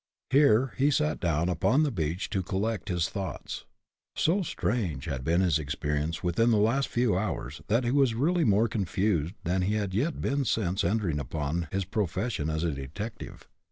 Here he sat down upon the beach to collect his thoughts. So strange had been his experience within the last few hours that he was really more confused than he had yet been since entering upon his profession as a detective.